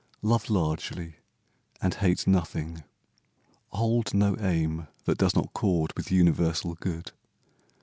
Love largely and hate nothing. Hold no aim That does not chord with universal good.